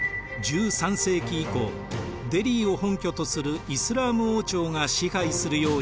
１３世紀以降デリーを本拠とするイスラーム王朝が支配するようになっていきました。